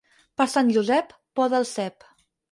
Per Sant Josep poda el cep.